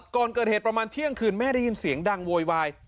ก่อนเกิดเหตุประมาณเที่ยงคืนแม่ได้ยินเสียงดังโวยวาย